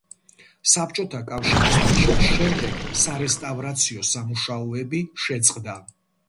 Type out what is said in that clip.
საბჭოთა კავშირის დაშლის შემდეგ სარესტავრაციო სამუშაოები შეწყდა.